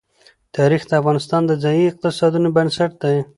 تاریخ د افغانستان د ځایي اقتصادونو بنسټ دی.